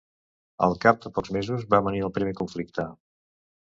Al cap de pocs mesos va venir el primer conflicte.